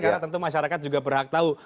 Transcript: karena tentu masyarakat juga berhak tahu